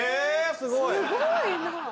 すごいな。